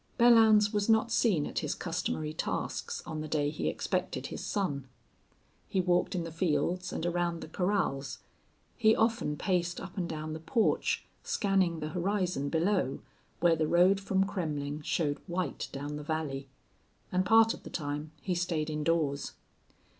Belllounds was not seen at his customary tasks on the day he expected his son. He walked in the fields and around the corrals; he often paced up and down the porch, scanning the horizon below, where the road from Kremmling showed white down the valley; and part of the time he stayed indoors.